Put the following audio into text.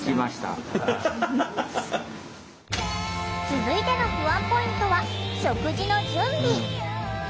続いての不安ポイントは食事の準備。